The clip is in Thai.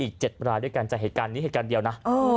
อีกเจ็ดรายด้วยการจ่ายเหตุการณ์นี้เหตุการณ์เดียวน่ะเออ